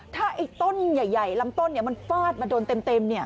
ถ้าไอ้ต้นใหญ่ลำต้นเนี่ยมันฟาดมาโดนเต็มเนี่ย